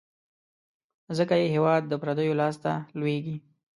ځکه یې هیواد د پردیو لاس ته لوېږي.